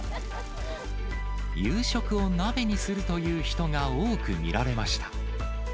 夕食を鍋にするという人が多く見られました。